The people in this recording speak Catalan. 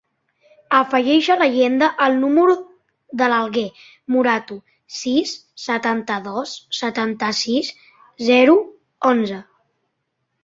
Afegeix a l'agenda el número de l'Alguer Morato: sis, setanta-dos, setanta-sis, zero, onze.